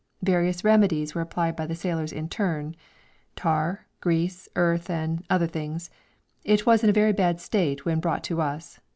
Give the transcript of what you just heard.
Various remedies were applied by the sailors in turns tar, grease, earth, and other things and it was in a very bad state when brought to us.